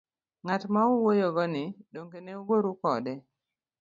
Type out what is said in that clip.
Ng'at ma uwuoyo go ni, dong'e ne ugoru kode?